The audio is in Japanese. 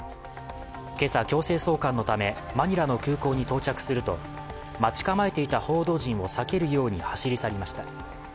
今朝、強制送還のためマニラの空港に到着すると待ち構えていた報道陣を避けるように走り去りました。